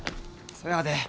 そやで。